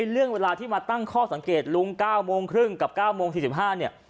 เรื่องเวลาที่มาตั้งข้อสังเกตลุง๙โมงครึ่งกับ๙โมง๔๕เนี่ย